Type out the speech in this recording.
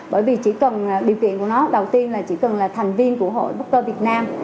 bởi vì chỉ cần điều kiện của nó đầu tiên là chỉ cần là thành viên của hội boctor việt nam